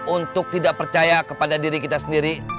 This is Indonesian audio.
untuk tidak percaya kepada diri kita sendiri